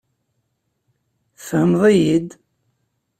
Tfehmeḍ-iyi-d?